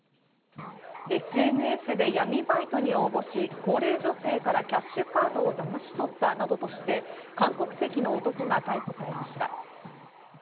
ＳＮＳで闇バイトに応募し、高齢女性からキャッシュカードをだまし取ったなどとして韓国籍の男が逮捕されました。